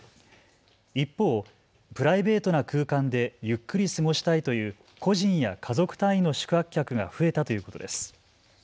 一方、プライベートな空間でゆっくり過ごしたいという個人や家族単位の宿泊客が増えたということです。